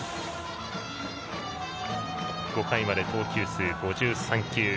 ５回まで投球数５３球。